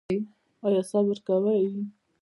ایا صبر کوئ؟